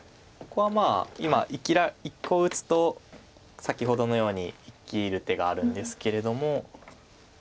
ここは今こう打つと先ほどのように生きる手があるんですけれども。